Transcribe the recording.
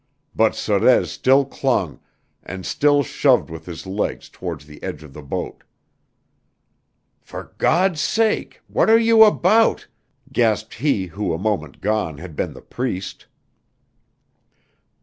But Sorez still clung and still shoved with his legs towards the edge of the boat. "For God's sake what are you about?" gasped he who a moment gone had been the Priest.